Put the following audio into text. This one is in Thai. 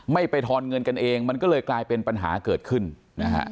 ไม่ไปทอนเงินกันเองมันก็เลยกลายเป็นปัญหาเกิดขึ้นนะฮะ